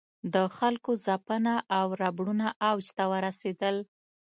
د خلکو ځپنه او ربړونه اوج ته ورسېدل.